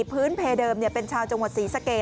พื้นเพเดิมเป็นชาวจังหวัดศรีสะเกด